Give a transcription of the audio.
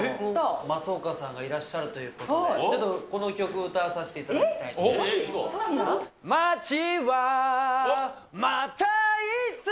松岡さんがいらっしゃるということで、ちょっと、この曲を歌わさせていただきたいと思います。